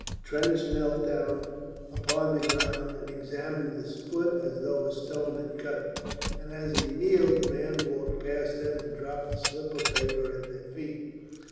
Trench knelt down upon the ground and examined his foot as though a stone had cut it, and as he kneeled the man walked past them and dropped a slip of paper at their feet.